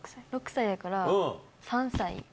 ６歳やから３歳。